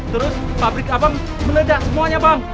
terus pabrik abang meledak semuanya paham